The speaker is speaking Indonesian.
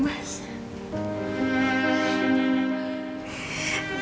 masa dulu aku bisa mencari mama